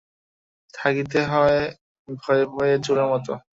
থাকিতে হয় ভয়ে ভয়ে চোরের মতো।